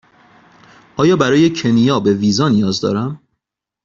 آیا برای کنیا به ویزا نیاز دارم؟